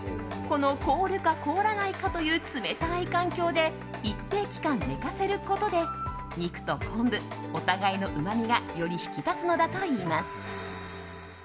この凍るか凍らないかという冷たい環境で一定期間寝かせることで肉と昆布、お互いのうまみがより引き立つのだといいます。